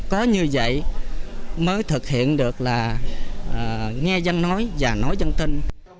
có như vậy mới thực hiện được là nghe danh nói và nói dân tin